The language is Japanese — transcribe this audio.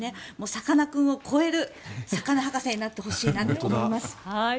さかなクンを超える魚博士になってほしいなと思います。